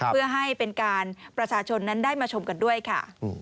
เพื่อให้เป็นการประชาชนนั้นได้มาชมกันด้วยค่ะ